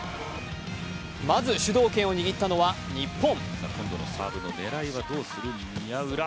まず主導権を握ったのは日本。